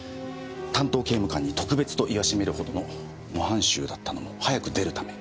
担当刑務官に特別と言わしめるほどの模範囚だったのも早く出るため。